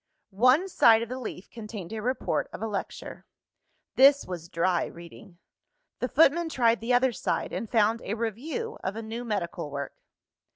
One side of the leaf contained a report of a lecture. This was dry reading. The footman tried the other side, and found a review of a new medical work.